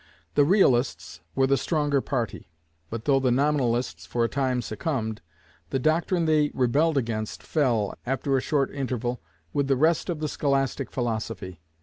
The Realists were the stronger party, but though the Nominalists for a time succumbed, the doctrine they rebelled against fell, after a short interval, with the rest of the scholastic philosophy.